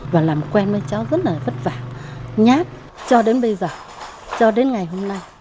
và làm quen với cháu rất là vất vả nhát cho đến bây giờ cho đến ngày hôm nay